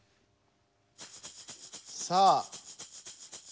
さあ。